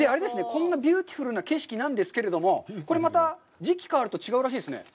こんなビューティフルな景色なんですけど、これまた、時期が変わると違うらしいですね？